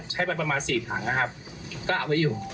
ใช้ไปประมาณ๔ถังนะครับก็เอาไว้อยู่